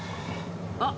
あっ。